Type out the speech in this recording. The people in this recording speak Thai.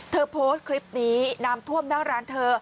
เธอโพสต์คลิปนี้นามท่วมน้ำร้านเธอ